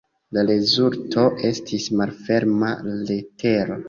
La rezulto estis "Malferma letero".